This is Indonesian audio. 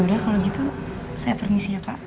eee yaudah kalau gitu saya permisi ya pak